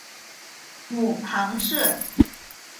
母庞氏。